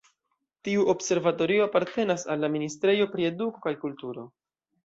Tiu observatorio apartenas al la Ministrejo pri Eduko kaj Kulturo.